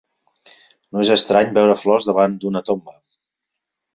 No és estrany veure flors davant d'una tomba.